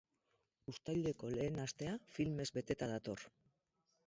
Uztaileko lehen astea filmez beteta dator.